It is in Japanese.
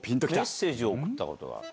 メッセージを送ったことがある。